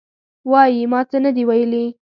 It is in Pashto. وایي: ما څه نه دي ویلي.